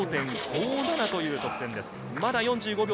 ３５．５７という得点です。